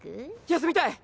休みたい！